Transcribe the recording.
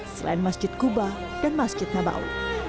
selain masjid kuba dan masjid nabawi